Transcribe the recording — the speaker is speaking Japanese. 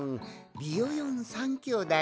ビヨヨン３きょうだい？